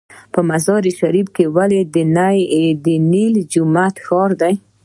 مزار شریف ولې د نیلي جومات ښار دی؟